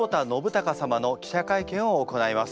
貴様の記者会見を行います。